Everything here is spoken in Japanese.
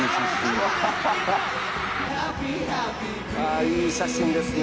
あいい写真ですね